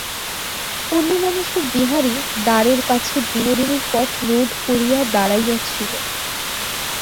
অন্যমনস্ক বিহারী দ্বারের কাছে বিনোদিনীর পথরোধ করিয়া দাঁড়াইয়াছিল।